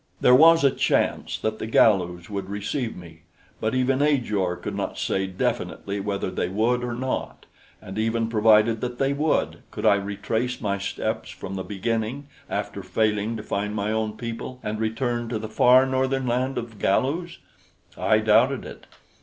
There was a chance that the Galus would receive me; but even Ajor could not say definitely whether they would or not, and even provided that they would, could I retrace my steps from the beginning, after failing to find my own people, and return to the far northern land of Galus? I doubted it.